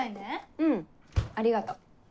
うんありがと。